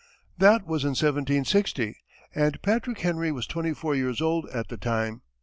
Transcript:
That was in 1760, and Patrick Henry was twenty four years old at the time.